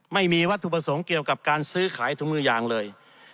ไม่มีวัตถุประสงค์เกี่ยวกับการซื้อขายถุงมือยางเลย